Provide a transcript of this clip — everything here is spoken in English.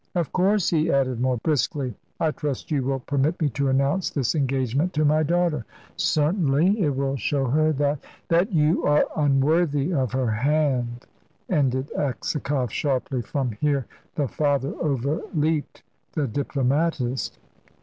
"Of course," he added more briskly, "I trust you will permit me to announce this engagement to my daughter." "Certainly. It will show her that " "That you are unworthy of her hand," ended Aksakoff, sharply, for here the father overleaped the diplomatist.